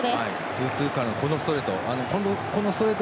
ツーツーからのこのストレート。